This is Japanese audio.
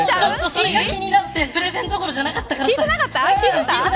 それが気になってプレゼンどころじゃなかった。